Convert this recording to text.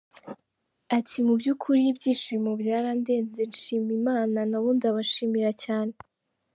Ati "Mu by’ukuri ibyishimo byarandenze nshima Imana, na bo ndabashimira cyane.